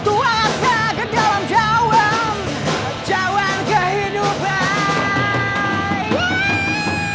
tuang asa ke dalam cawan cawan kehidupan